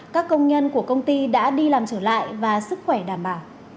các công nhân của công ty đã đi làm trở lại và sức khỏe đảm bảo